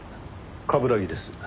冠城です。